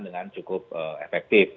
dengan cukup efektif